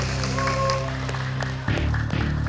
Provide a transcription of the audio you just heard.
tiga dua satu